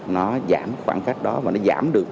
nó giảm khoảng cách đó và nó giảm được